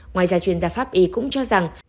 ngoài ra chuyên gia pháp ý cũng cho rằng